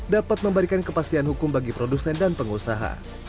dapat memberikan kepastian hukum bagi produsen dan pengusaha